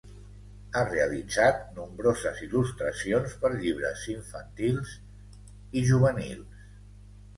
Ha realitzat nombroses il·lustracions per llibres infantils i juvenils.